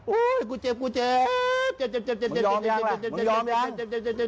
โอ้ยกูเจ็บ